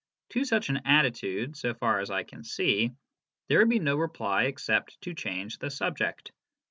To such an attitude, so far as I can see, there would be no reply except to change the subject.